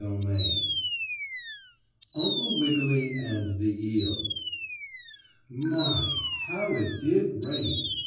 STORY X UNCLE WIGGILY AND THE EEL My, how it did rain!